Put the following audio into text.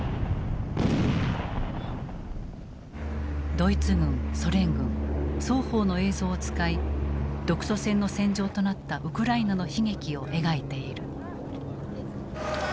ドイツ軍ソ連軍双方の映像を使い独ソ戦の戦場となったウクライナの悲劇を描いている。